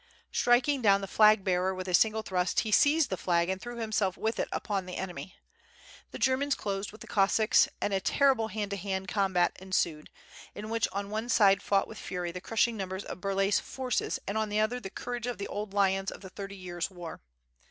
Striking down the flag bearer with a single thrust he seized the flag and threw himself with it upon the enemy. The Germans closed with the Cossacks and a terrible hand to hand combat ensued, in which on one side fought with fury the crushing numbers of Burlay's forces and on the other the courage of the old lions of the Thirty Years War.